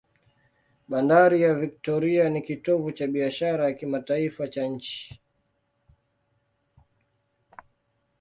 Bandari ya Victoria ni kitovu cha biashara ya kimataifa cha nchi.